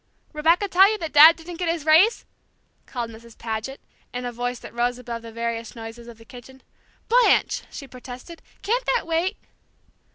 "Rebecca tell you Dad didn't get his raise?" called Mrs. Paget, in a voice that rose above the various noises of the kitchen. "Blanche!" she protested, "can't that wait?"